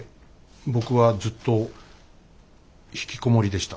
僕はずっとひきこもりでした。